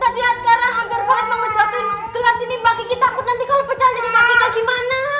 tadi askara hampir banget mau jatuhin gelas ini mbak kiki takut nanti kalau pecah aja kak kika gimana